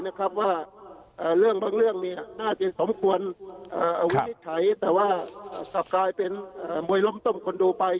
หรือว่าเรื่องบางเรื่องน่าจะควรใช้แต่กลายเป็นมวยล้มต้มคนดูไป